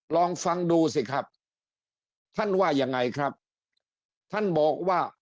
ลองฟังดูสิครับท่านว่ายังไงครับท่านบอกว่า